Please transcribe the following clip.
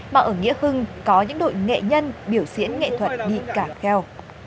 mà ở nghĩa hưng có những đội nghệ nhân biểu diễn nghệ thuật đi cả kheo